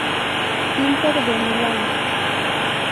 Inter de Milán